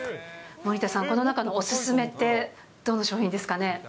森田さん、この中のお勧め商品ってどの商品ですかね。